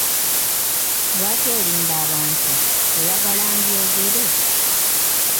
Lwaki olimba abantu oyagala mbyogere?